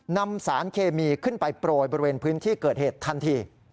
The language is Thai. นำสารเคมีขึ้นไปโปรยบริเวณพื้นที่เกิดเหตุทันที